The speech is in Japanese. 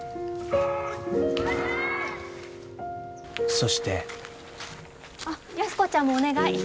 そしてあっ安子ちゃんもお願い。